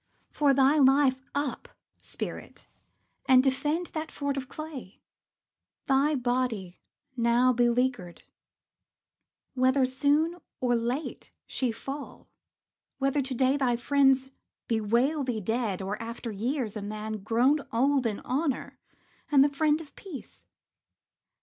For thy life, Up, spirit, and defend that fort of clay, Thy body, now beleaguered; whether soon Or late she fall; whether to day thy friends Bewail thee dead, or, after years, a man Grown old in honour and the friend of peace.